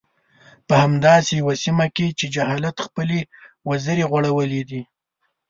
په همداسې يوه سيمه کې چې جهالت خپلې وزرې غوړولي دي.